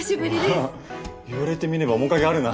ああ言われてみれば面影あるな。